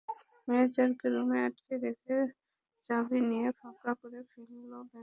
ম্যানেজারকে রুমে আটকে রেখে চাবি নিয়ে ফাঁকা করে ফেলল ব্যাংকের ভল্ট।